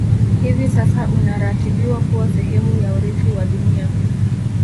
Hivi sasa unaratibiwa kuwa sehemu ya Urithi wa dunia